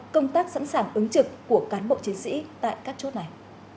công tác sẵn sàng ứng trực của cán bộ chiến sĩ tại các chốt này